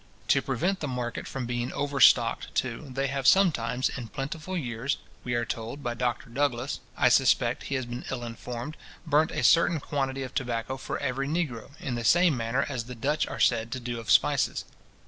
To prevent the market from being overstocked, too, they have sometimes, in plentiful years, we are told by Dr Douglas {Douglas's Summary, vol. ii. p. 379, 373.} (I suspect he has been ill informed), burnt a certain quantity of tobacco for every negro, in the same manner as the Dutch are said to do of spices.